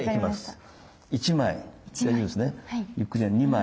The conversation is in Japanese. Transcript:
１枚。